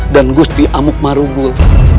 dan gusti amuk marugul